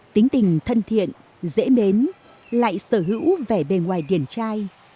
tính tình thân thiện dễ mến lại sở hữu vẻ bề ngoài điển trai